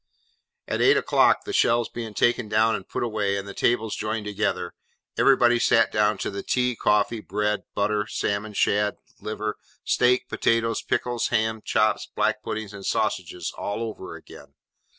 At eight o'clock, the shelves being taken down and put away and the tables joined together, everybody sat down to the tea, coffee, bread, butter, salmon, shad, liver, steak, potatoes, pickles, ham, chops, black puddings, and sausages, all over again.